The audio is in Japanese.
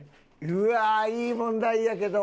うわーいい問題やけど。